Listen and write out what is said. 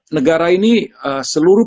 negara ini seluruh